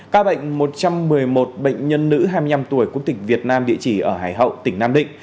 ca bệnh một trăm một mươi một bệnh nhân nữ hai mươi năm tuổi quốc tịch việt nam địa chỉ ở hải hậu tỉnh nam định